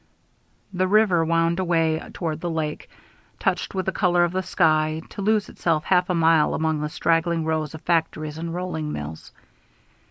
The river wound away toward the lake, touched with the color of the sky, to lose itself half a mile away among the straggling rows of factories and rolling mills.